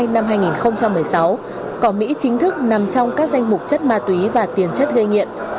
năm hai nghìn một mươi sáu cỏ mỹ chính thức nằm trong các danh mục chất ma túy và tiền chất gây nghiện